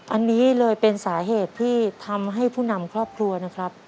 อันนี้เลยเป็นสาเหตุที่ทำให้ผู้นำครอบครัวนะครับ